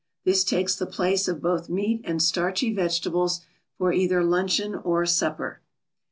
This takes the place of both meat and starchy vegetables for either luncheon or supper.